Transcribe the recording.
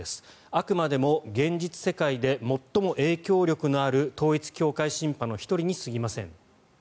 あくまでも現実世界で最も影響力のある統一教会シンパの１人にすぎません。